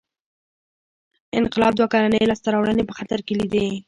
انقلاب دوه کلنۍ لاسته راوړنې په خطر کې لیدې.